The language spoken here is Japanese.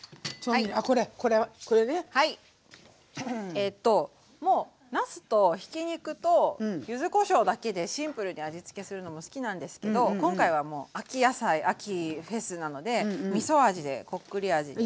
えともうなすとひき肉と柚子こしょうだけでシンプルに味付けするのも好きなんですけど今回は秋野菜秋フェスなのでみそ味でこっくり味で。